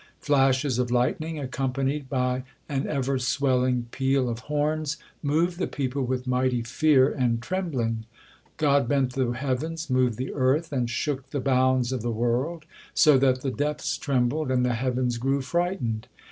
Flashes of lightning, accompanied by an ever swelling peal of horns, moved the people with mighty fear and trembling. God bent the heavens, moved the earth, and shook the bounds of the world, so that the depths trembled, and the heavens grew frightened.